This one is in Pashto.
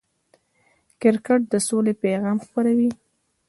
کرکټ د سولې پیغام خپروي.